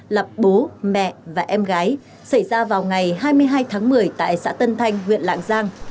đối tượng gây ra vụ thảm án giết ba người là bố mẹ và em gái xảy ra vào ngày hai mươi hai tháng một mươi tại xã tân thanh huyện lạng giang